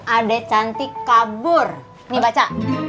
ade cantik kabur ini baca